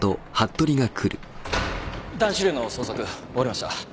・男子寮の捜索終わりました。